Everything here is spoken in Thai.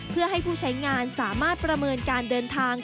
เพื่อให้ผู้ใช้งานสามารถประเมินการเดินทาง